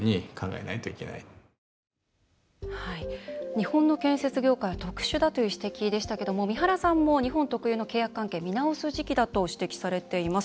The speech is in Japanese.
日本の建設業界は特殊だという指摘でしたけど三原さんも日本特有の契約関係見直す時期だと指摘されています。